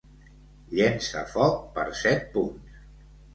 Llença foc per set punts.